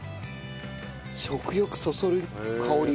食欲そそる香り。